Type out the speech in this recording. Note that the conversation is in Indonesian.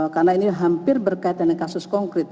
karena ini hampir berkaitan dengan kasus konkret